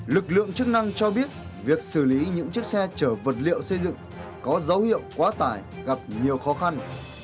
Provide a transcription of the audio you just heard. lực lượng chức năng cho biết việc xử lý những chiếc xe chở vật liệu xây dựng có dấu hiệu quá tải gặp nhiều khó khăn